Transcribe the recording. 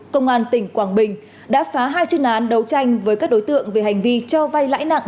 công an tỉnh quảng bình đã phá hai chuyên án đấu tranh với các đối tượng về hành vi cho vay lãi nặng